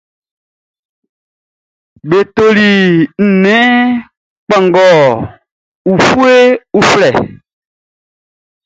Be toli nnɛn kpanngɔ ufue uflɛ.